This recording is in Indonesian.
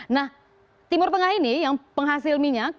nah timur tengah ini yang penghasil minyak